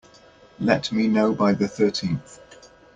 Let me know by the thirteenth.